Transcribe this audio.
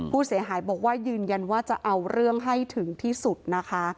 ผู้เสียหายบอกว่ายืนยันว่าจะเอาเรื่องให้ถึงที่สุดนะคะ